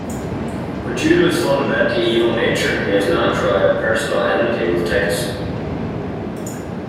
But due to his fundamentally evil nature, he has natural personal enmity with Titus.